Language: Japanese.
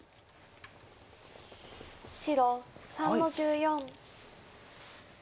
白３の十四。